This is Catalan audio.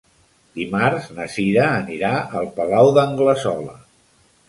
Dimarts na Sira anirà al Palau d'Anglesola.